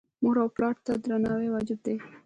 مور او پلار ته درناوی واجب دی